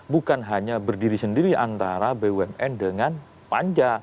bukan hanya berdiri sendiri antara bumn dengan panja